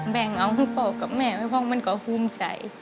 แบ่งเอาให้พ่อกับแม่ไว้เพราะมันก็หุ้มใจ